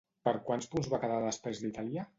Per quants punts va quedar després d'Itàlia?